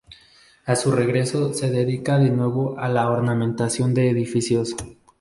A su regreso se dedica de nuevo a la ornamentación de edificios.